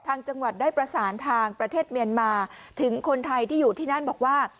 จังหวัดได้ประสานทางประเทศเมียนมาถึงคนไทยที่อยู่ที่นั่นบอกว่า